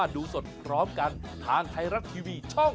ขอบคุณครับ